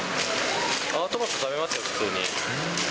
トマト食べますよ、普通に。